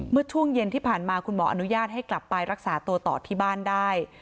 เมื่อช่วงเย็นที่ผ่านมาคุณหมออนุญาตให้กลับไปรักษาตัวต่อที่บ้านได้